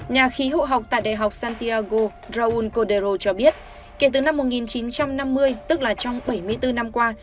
nhà khí hậu học tại đại học santiago raúl codero cho biết kể từ năm một nghìn chín trăm năm mươi tức là trong bảy mươi bốn năm qua